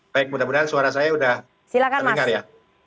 baik mudah mudahan suara saya sudah terdengar ya